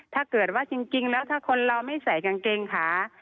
ถ้าจริงแล้วหลอก่อนเราไม่ใส่กางเกงขา